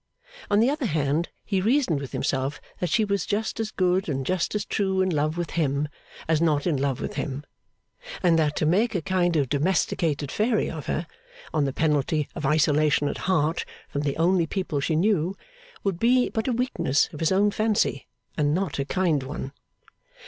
On the other hand, he reasoned with himself that she was just as good and just as true in love with him, as not in love with him; and that to make a kind of domesticated fairy of her, on the penalty of isolation at heart from the only people she knew, would be but a weakness of his own fancy, and not a kind one.